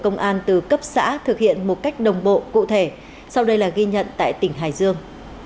công an từ cấp xã thực hiện một cách đồng bộ cụ thể sau đây là ghi nhận tại tỉnh hải dương